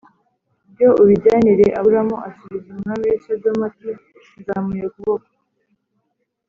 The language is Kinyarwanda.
Byo ubyijyanire aburamu asubiza umwami w i sodomu ati nzamuye ukuboko